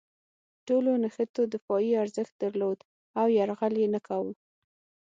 ټولو نښتو دفاعي ارزښت درلود او یرغل یې نه کاوه.